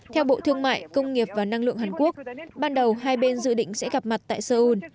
theo bộ thương mại công nghiệp và năng lượng hàn quốc ban đầu hai bên dự định sẽ gặp mặt tại seoul